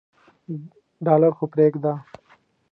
ډالر خو پریږده.